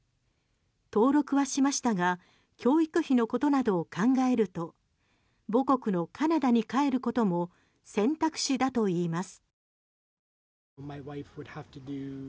登録はしましたが教育費のことなどを考えると母国のカナダに帰ることも選択肢だといいます。